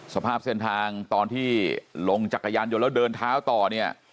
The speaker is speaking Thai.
สภาพเส้นทางตอนที่ลงจักรยานยนต์แล้วเดินเท้าต่อเนี่ย